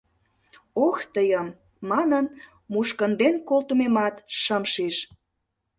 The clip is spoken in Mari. — Ох, тыйым, — манын, мушкынден колтымемат шым шиж.